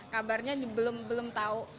kabarnya belum tahu